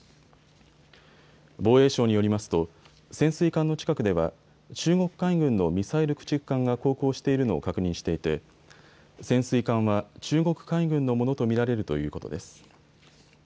防衛省によりますと潜水艦の近くでは中国海軍のミサイル駆逐艦が航行しているのを確認していて潜水艦は中国海軍のものと見られるということです。